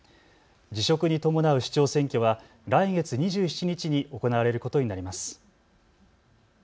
辞職に伴う市長選挙は来月２７日に行われることになります。